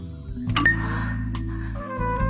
あっ。